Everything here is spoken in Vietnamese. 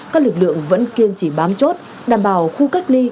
các lực lượng vẫn kiên trì bám chốt đảm bảo khu cách ly